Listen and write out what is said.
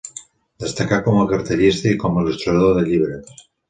Destacà com a cartellista i com a il·lustrador de llibres.